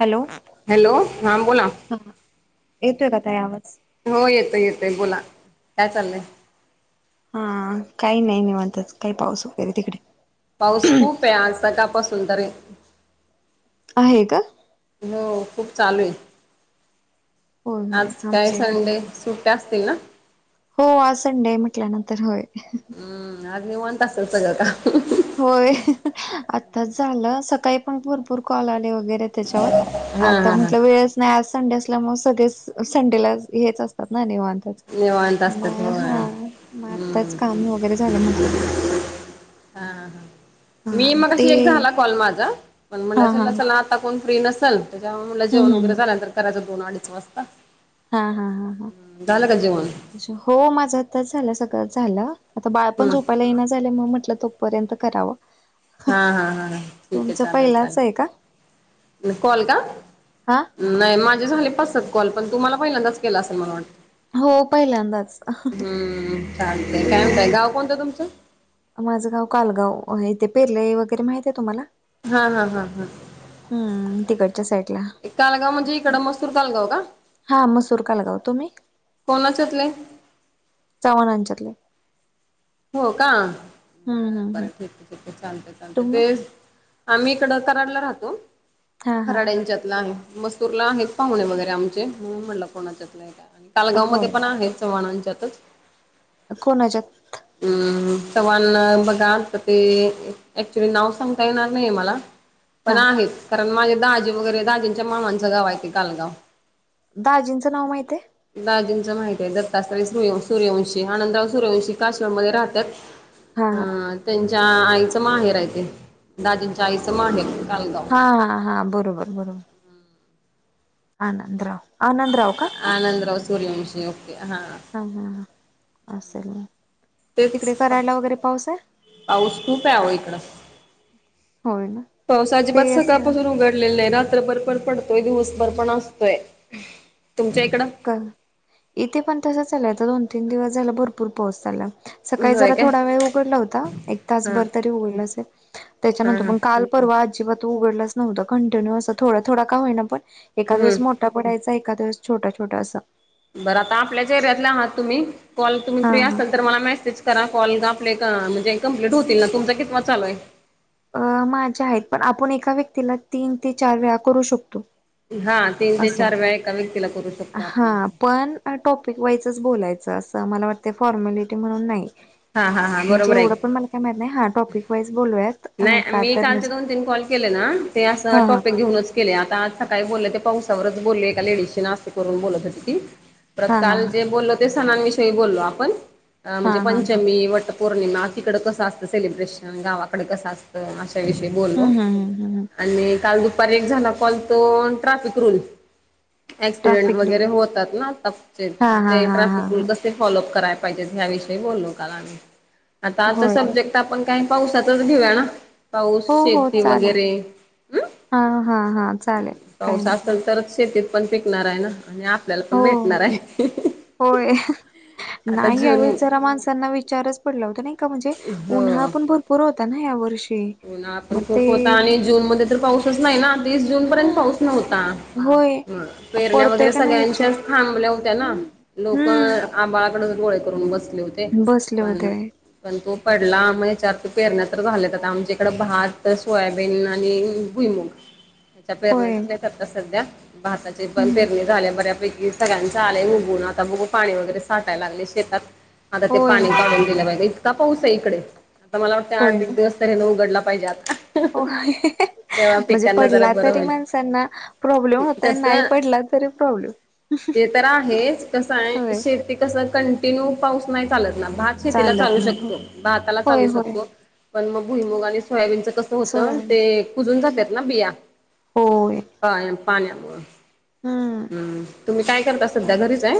Hello hello हम बोला. एकेत कथा यावत. हो येतोय येतोय बोला काय चाललंय हा काही नाही नाही म्हणतात काही पाऊस वगैरे तिकडे पाऊस खूप आहे आजचा कापासून तर आहे का? हो खूप चालू आहे. होय होय आज काय आमच्या इकडे संडे पण सुट्ट्या असतील ना. हो आज संडे म्हटल्यानंतर होय. हम्म अ नववंत तासल तग का? होय आताच झालं सकाळी पण भरपूर कॉल आले वगैरे त्याच्यावर आ हा हा हा म्हट वेळच नाही. संडे असल्या मग सगळे संडेला हेच असतात ना आणिवा निवांत असतात मग होय हा मग आताच हम्म काम वगैरे झालं म्हटलं. [unintelligible] हा ह मी हा मग ते अशी एक झाला कॉल माझा पण म्हट हा हा च चला आता कोण फ्री नस. ल त्याच्या जेवण हम्म हम्म वगैरे झाल्यांतर करायचं, दोन अडीच वाजता. हा हा हा ह झालं का जेवण अ् हो माझं आताच झालं सगळं झालं. आता बाळ पण हम्म झोपायला येना झालं मग म्हटलं तोपर्यंत करावं. हा हा हा ठीक आहे तुमचं चालेल पहिलाच आहे का चालेल. कॉल का हा नाही माझे झाले पाच सात. कॉल पण तुमलाहिल्यांदा के असेल मला वाटं हो पहिल्यांदाच हम्म चालतय काय म्हणतय ते गाव कोणतं तुमचं माझं गाव कालगाव इथे पेरले वगैरे माहित आहे तुम्हाला हा हा हा हा. हम्म तिकडच्या साईडला एक कालगाव म्हणजे इकडममस्तूर कालगाव का. हा मसूर का लगाव तुम्ही. कोणाच्यातले. चव्हाणांच्यातले हो का हम्म बर हम्म हम्म बरं ठीक ठीक चालते चालते ते तुम्ही आम्ही इकडं कराडला राहतो. हा हा खराड्यांच्यातला आहे. मसुरला आहेत पाहुणे वगैरे आमचे म्हणून म्हटलं. कोणाच्यात कालगाव मध्ये होय पण आहेत. चव्हाणांचे सतत कोणाच्यात हम हम चव्हाण बघा ते ऍक्चुली नाव सांगता येणार नाही. मला हा पण आहेत कारण माझे दाजी हो वगैरे का दाजींच्या मामांचं गाव आहे ते कालगाव. दाजींचं नाव माहित आहे. माहित आहे. दत्तात्रय सूर्यवंशी, आनंदराव सूर्यवंशी, काशीळमध्ये राहतात. हा अ हा त्यांच्या आईचं माहेर आहे ते, दाजींच्या आईचं माहेर कालगाव हा हा हा बरोबर बरोबर. हा आंनदराव आनंदराव सूर्यंवंशी ओके हा. असलं. तेच पाऊस खूप आहे. आव इकडं होय ना पाऊस ते अजिबात असं सकाळपासून उघडलेला नाही. रात रात्रभर पण पडतोय दिवसभर पण असतोय. तुमच्या इकडं का इथे पण तसंच चालय आता दोन तीन दिवस झाला. भरपूर पाऊस झाला. सकाळी होय जरा काय थोडा वेळ उघडला होता. एक हा तासभर तरी उघड असेल हा त्याच्यानंतर हा प काल व अजिबात तो उघडलाच नव्हता, कंटिन्यू अस थोडा थोडा का होईना, पण एखादा हम्म दिवस मोठा पडयचा एखादा दिवस छोटा छोटासा बरं आता आपल्याच्या एरियातला आहात तुम्ही कॉल तुम्ही हा फ्री हा असाल तर मला मेसेज करा. कॉल ग आप का म्हणजे कंप्लीट होतील ना तुमचा कितवा चालू आहे. अ माझ्या आहेत. पण आपण एका व्यक्तीला तीन ते चार वेळा करू शकतो. हा तीन ते अस चार वेळा एका व्यक्तीला करू शकतो हा आपण पण टॉपिक वाईजच बोलायचं. असं मला वाटतं फॉर्मलिटी म्हणून नाही. हा हा हा म्हणजे बरोबर आहे एवढं पण मला काय माहित नाही हा टॉपिक वाईज बोलूया. नाही मी कालचे दोन तीन कॉल केले ना ते असं हा हा टॉपिक घेऊनच केले आता आज सकाळी बोलले ते पाहू परत बोलले एक लेडीजशी आज ते करून बोलत होती. ती परत हा हा काल हा जे बोलले ते सणांविषयी बोलो आपण हा म्हणजे हा ह पंचमी वटपौर्णिमा तिकड कसं असतं सेलिब्रेशन गावा कड कस असत अशाविषयी हम्म बोलो हम्म हम्म हम्म हम्म आणि काल दुपारी एक झाला कॉल तो traffic rule accident traffic law वगैरे होतात ना आताचे हा मग हा ते हा हा ट्रॅफिक रूल हा कसे फॉलोप कराय. विषयी बोललो काल आम्ही आता आजचा होय सब्जेक्ट आपण काय पावसा ठेऊ या ना पाऊस, हो हो शेती चालेल वगैरे हम हा हा हा चालेल काही पाऊस नाही असल प्रॉब्लेम तरच, शेतीत पण पिकणार आहे ना. आणि आपल्याला पण हो भेटणार आहे. होय आता नाही जून यावेळेस जरा माणसांना विचारच पडला होता नाही का, म्हणजे हो उन्हाळा पण भरपूर होता ना. वर्षी उन्हाळा पण मग ते खूप होता, आणि जून मध्ये तर पाऊसच नाही ना. तीस जून पर्यंत हा पाऊस नव्हता. होय ह पेरण्या पडतोय वगैरे का नाही ह्याचे सगळ्यांच्या थांबल्या होत्या ना, हम्म लोक हम्म आभाळाकडच डोळे करून बसले होते, बसले पण होते पण तो पडला म चार पेरण्या तर झालेत, आता आमच्या इकंड भात, सोयाबीन आणि भुईमुग त्याच्या पेरण्या होय झाल्यात आता सध्या, भाताचे पण हम्म पेरणी झाल्या बऱ्यापैकी. सगळ्यांचं आलंय ऊगून, आता बघु पाणी वगैरे साठाय लागलय शेतात. आता ते होय पाणी काढून दिलं पाहिजे, इतका पाऊस आहे इकडे, आता मला वाटत आठ एक दिवस तरी न उघडला पाहिजे आता. होई. तेव्हा म्हणजे पिकांना जरा पडला बरं तरी होईल. माणसांना प्रॉब्लेम होतय, नाही पडला तरी प्रॉब्लेम. हे तर आहेच, कसं आहे होय शेती कस कंटिन्यू पाऊस नाही चालत भात शेतीला चालत चालू नाही शकतो, होय भाताला होय चालू होय शकतो, पण मग भुईमग आणि सोयाबीनच कस होतं, सोयाबीन ते कुजून जातात ना बिया. होय. पाण्यामु [unintelligible] हम्म तुम्ही काय करता नाही सध्या काय घरीच आहे?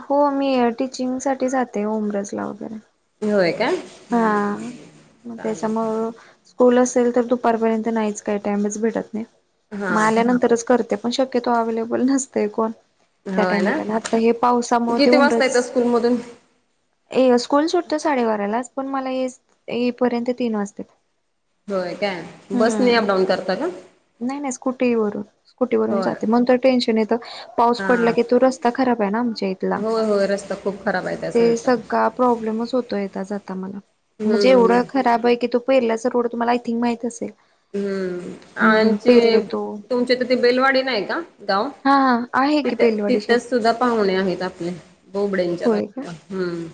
हो, मी टीचिंग साठी जाते होम रस ला वगैरे होय काय हा, आ चालेल त्याच्यामुळे स्कूल असेल तर दुपारपर्यंत नाहीच काय टाइमच भेटत नाही, हा मग आल्यानंतरच करते पण शक्यतो अवे्हेलेबल नसतेय कोण. त्या होय ना टाईमला आता हे पावसामुळे ते किती वाजता उमरच येतं स्कूलमधून ए स्कूल सुटते साडेबारालाच, पण मला येई पर्यंत तीन वाजतात. होय, काय बस नी अप हम्म डाऊन करता का? नाही नाही, स्कुटीवरून स्कुटीवरून होय जाते, म्हनुन तर टेन्शन येत पाऊस हा पडला की तो रस्ता खराब आहे. आमच्या ईथला, होय होय रस्ता खूप खराब आहे त्या ते साईडचा सगळा प्रॉब्लेमच होतोय येता जाता. आता मला हम्म म्हणजे हम्म हम्म. एवढं खराब आहे की, तो पहिरल्याच रोड तुम्हाला आय थिंक माहितच आहे. हम्म. आमचे तो तुमच्या तेथ बेलवाडी नाही का गाव हा हा आहे की तिथ बेलवाडी शेज तिथेच सुद्धा पाहुणे आहेत, आपले बोबडेंच्या होय का बाजुला हम्म.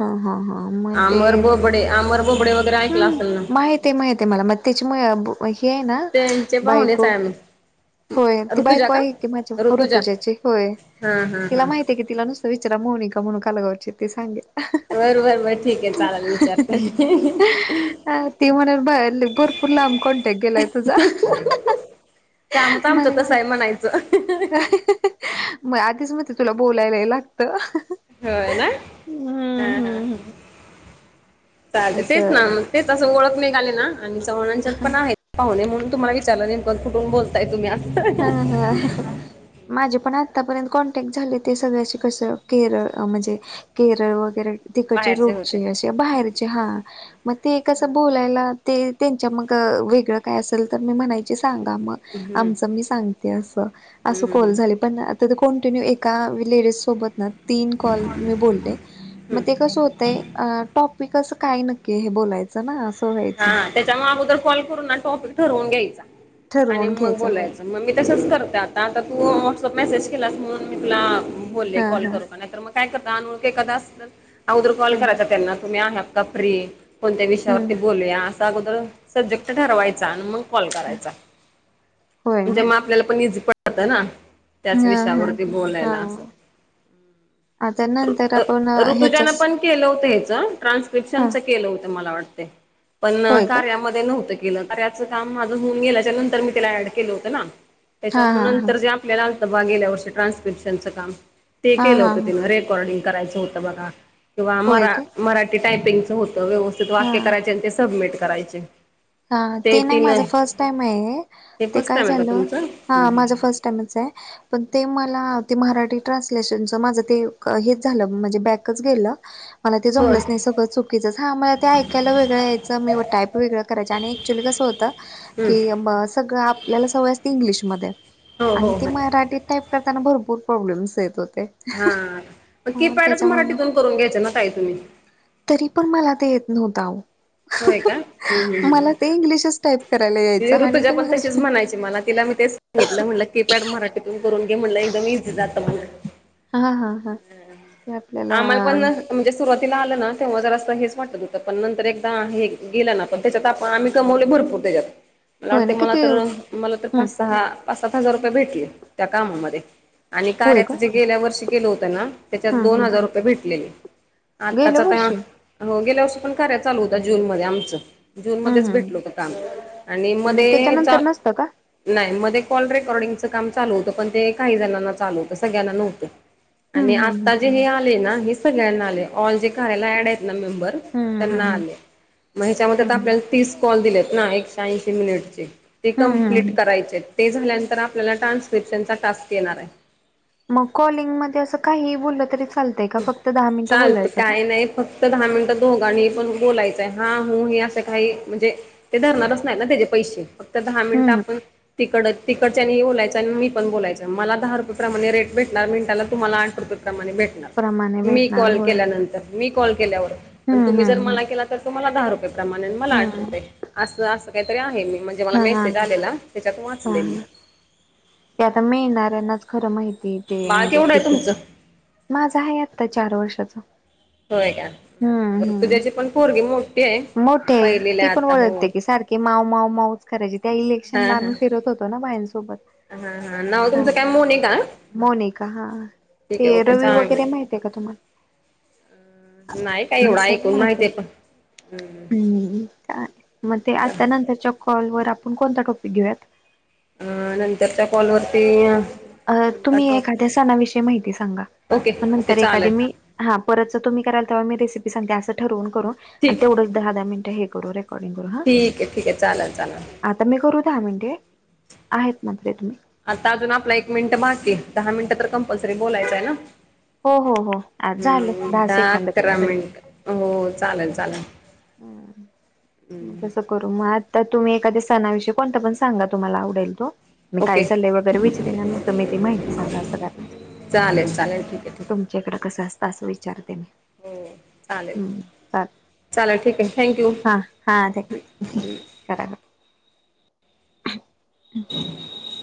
हा. हा. हा. मग ते आमर बोबडे आमर बोबडे वगैरे ऐकला हम्म. असेल ना माहितेय माहितेय माला. मग त्याची म हे ये ना त्यांचे पाहुणेच बायको [inaudible] होय. ती ऋतुजा बायको का? आहे की भाच्या ऋतुजा ची. होय. हा हा तिला हा माहिते की तिला नुसत विचारा मोहनिका म्हणून कालगावची ती सांगितली. बर बर बर ठीक आहे, चालेल विचारते [unintelligible] अ ती म्हणेल ब भरपूर लांब कॉन्टॅक् गेलाय तुझा [unintelligible] काम का आमचं म्हणेल तसं त आहे म्हणायचं [unintelligible] [unintelligible] मग आधीच म ते तुला बोलायलाही लागत होय ना, हम्म हम ह. हम्म हम्म चालेल तेच ना, असं मग तेच असं ओळख नाघाली ना आणि चवणांच्यात पण प पाहुणे म्हण तुम्हाला विचारलंत कुठून बोलताय तुम्ही आस हा हा [unintelligible] माझे पण आतापर्यंत कॉन्टॅक्ट झाले, ते सगळ्याशी कसं केरळ म्हणजे केरळ वगैरे तिकडचे बाहेरचे लोक होते. कसे असे बाहेरचे हा, मग ते कसं बोलायला ते त्यांच्या मग वेगळं काय असेल तर मी म्हणायची सांगा मग हम्म आमच हम्म मी सांगते अस, असं हम्म कॉल झाले हम्म पण आता ते कंटिन्यू एका लेडीज सोबत ना तीन कॉल मी बोलले, मग ते हम्म. कसं होतय टॉपिक अस काय नक्की हे बोलायचं ना अस हा, त्याच्यामुळे अगोदर कॉल करून ना टॉपिक ठरवून घ्यायचा. आणि ठरवून मग घ्यायचं होय बोलायचं, मग मी तसच करते आता आता तू व्हॉट्सअप मेसेज म्हणून मी तुला बोलले हा कॉल हा करू का? नाही तर मग काय करत अन एका तास अन अगोदर कॉल हम्म करायचा त्यांना. तुम्ही आहात का फ्री? कोणत्या विषयावर हम्म ते आसा अगोर सब्जेक्टं ठरवायचा अन मग कॉल करायचा. होय ना उद्या म आपल्याला पण इझी पडतं ना. त्याच हा हा. विषयावरती हा बोलायला असं. ह.. आता नंतर आपण ऋतुजानं ह्याचच पण केलं होतं ह्याचं. हा ट्रान्स्क्रिप्शनचं केलं होतं मला वाटतेय. पण होय का कार्यामध्ये नव्हतं केलं. कार्याचं काम माझं होऊन गेल्याच्या नंतर मी तिला ऍड केलं होतं ना. हा त्याच्या म हा हा नंतर जे आपल्याला आलतं बा गेल्या वर्षी ट्रान्स्क्रिप्शनचं काम ते हा केलं हा होतं हा तिनं रेकॉर्डिंग करायचं होतं बघा. किंवा होय मरा का मराठी टायपिंगच होत सगळं होषित हा वाक्य करायचे आणि ते सबमिट करायचे. हा. ते नाही, माझ फर्स्ट टाइम ए. ते फर्स्ट काय टाइम आहे का झालं तुमचं? हा हं माझं फर्स्ट टाइमच ए. पण ते मला ते म्हराठी ट्रान्सलेशनचं माझं ते हेच झालं म्हणजे बॅकच गेलं. मला ते हो जमलंच नाई. सगळं चुकीचं हा मला ते ऐकायला वेगळं यायचं मी टायप वेगळं त्याच्या न ॲक्च्युली कसं होत हं की म सगळं आपल्याला सवय असते इंग्लिशमध्ये. हो आणि हो ते हो मराठीत टाईप करताना भरपूर प्रॉब्लेम्स येत हो. हा.. मग कीपॅडच मराठीतून करून घ्यायचा ना ताई तुम्ही. तरी पण मला ते येत न्हवतं आओ. होय का? हम्म हम्म मला ते इंग्लिशच टाईप करायला ती यायचं आणि ऋतुजा ते पण मरा तशीच म्हणायची मला. तिला मी तेच सांगितलं म्हणलं कीपॅड म्हराठीतून करून घे म्हणलं एकदम इझी जातं मग. हा हा हा. आपल्याला आम्हाला पण म्हणजे सुरुवातीला आलं ना तेव्हा जरासं हेच वाटत होतं. पण नंतर एकदा हे गेलं ना, पण त्याच्यात आपण आम्ही कमवले भर पुरतंय त्यात मला होय वाटते ना मला किती तर, हम्म मला तर पाच सहा पाच सात हजार रुपये भेटले, त्या कामामधे. आणि होय का कार्याचं जे गेल्या वर्षी केलं होतं ना त्याच्यात हम्म दोन हम्म हजार रुपये भेटलेले. गेल्या आत्ताचाता, वर्षी हो गेल्या वर्षी पण कारया चालू होतं जून मध्ये आमचं. जून हम्म मध्येच हम्म भेटलं होतं काम. आणि मग मधेचा.. त्याच्यानंतर नसतं का नाइ. मध्ये कॉल रेकॉर्डिंगच काम चालू होतं पण ते काही जणनना चालू होतं सगळ्यांना नव्हतं आणि हम्म हम्म आता जे हे आले ना हे सगळ्यांना आले ऑल जे कारयाला ऍड हम्म हम्म हम्म आहे [unintelligible] मग हेच्या मध्ये हम्म हम्म आपल्या तीस कॉल दिल्या ना ऐंशी मिनिटचे, ते हम्म कमप्लीट हम्म करायचे. ते झाल्यांतर आपल्याला ट्रान्स्क्रिप्शन चा टास्क येणार आए. मग कॉलिंग मध्ये असं काहीइ बोललं तरी च चालतं. काही नाई. फक्त दहा मिंटं दोघ गणी पण बोलायचंय. हा हु हे असं काही म्हणजे ते धरणारच नाही ना त्याचे पैशे. तर दहा मिंटं हम्म आपण तिकडं, तिकडच्यानी बोलायचं आणि मी पण बोलायंच. मला दहा रुपये प्रमाणे रेट भेटणार मिंटाला, तुमाला आठ रुपये प्रमाणे भेटणार, प्रमाणे मी भेटणार कॉल होय केल्या नंतर मी कॉल केल्यावर, न हम्म तुम्ही जर हम्म मला केला तर तुमाला दहा रुपये प्रमाने आणि मला हम्म आठ हम्म रुपये आसं आसं काहीतरी आहे मी म्हणजे मला हा हा मेसेज आलेला, त्याच्यात वाचले मी. हा ते आता मिळणाऱ्यांनाच खरं माहिती त ते बाळ म्हणजे केवढं आहे किते? तुमचं माझं हाहे आता चार वर्षाचं. होय का. हम्म. हम्म. तुझ्याची पण पोरगी मोठी आहे मोठे पहिलीला ती आहे पण आता ओळखते हो कि सारखे माव माव माऊ करायची, त्या इलेक्शन हा ला हा आम्ही फिरत होतो ना बायांसोबत. हा नाव हा. तुमचं काय मोनिका ना मोनिका हा. ठीक आहे ते ओके रवी वगरे चालेल माहितेय का तुम्हाला? नाही काय एवढं नसेल ऐकून माहिती आहे पण हम्म मग ते आता नंतरच्या कॉल वर आपण कोणता टॉपिक घेऊयात अ नंतरच्या कॉलवररती अ तुम्ही एखाद्या सणाविषयी माहिती सांगा ओके मग ओके नंतर एखादी चालेल मी हा परत जर तुम्ही कराल तेव्हा मी रेसिपी सांगते असं ठरवून करु आण ठीक तेवढ दहा दहा मिनटं हे करु ठीक आहे ठीक आहे चालेल चालेल आता मी करू दहा मिनटे आहेत मात्र तुम्ही आता अजून आपला एक मिनिट बाकी दहा मिनिटं तर कंपल्सरी बोलायचंय ना हो हो हो आ झालं हम्म दहा सेकंद कमी अकरा मिनिट हो चालेल चालेल हम्म तसा करु [unintelligible] तर तुम्ही एखादया सणाविषयी कोणता पण सांगा तुम्हाला आवडेल तो मी काही ओके चाललंय वगैरे विचरेन मग तुम्ही ती माहिती सांगा संरा चालेल चालेल ठीक आहे [unintelligible] ठीक तुमच्याकड कस असतं असं विचारते मी हो चालेल हम्म चाल चालल ठीक आहे थँक्यू हा हा ते हम